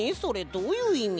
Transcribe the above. どういういみ？